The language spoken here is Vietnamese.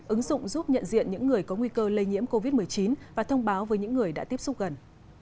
ứng dụng giúp nhận diện những người có nguy cơ lây nhiễm covid một mươi chín và thông báo với những người đã tiếp xúc gần